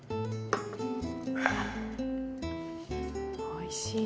おいしい。